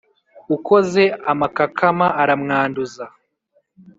Ukoze amakakama, aramwanduza,